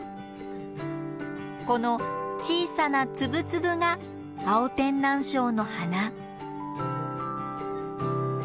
この小さな粒々がアオテンナンショウの花。